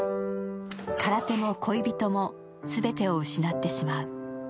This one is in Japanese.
空手も恋人も全てを失ってしまう。